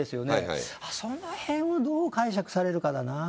そのへんをどう解釈されるかだな。